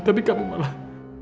tapi kamu malah